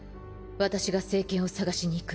私が聖剣を探しに行く。